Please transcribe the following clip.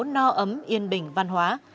no ấm yên bình văn hóa